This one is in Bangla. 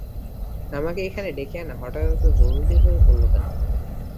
আমাকে এখানে ডেকে আনা হঠাৎ এত জরুরি হয়ে পড়ল কেন?